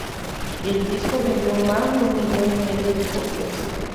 El disco vendió más de un millón y medio de copias.